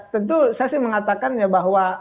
tentu saya sih mengatakan ya bahwa